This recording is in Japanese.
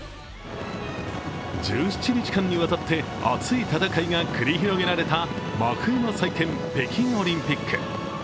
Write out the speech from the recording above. １７日間にわたって熱い戦いが繰り広げられた真冬の祭典、北京オリンピック。